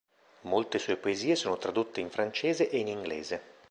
Molte sue poesie sono tradotte in francese e in inglese.